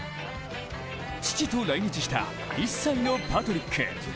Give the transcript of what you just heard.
父と来日した１歳のパトリック。